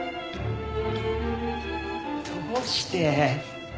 どうして？